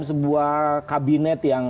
sebuah kabinet yang